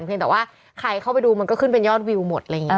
เพียงแต่ว่าใครเข้าไปดูมันก็ขึ้นเป็นยอดวิวหมดอะไรอย่างนี้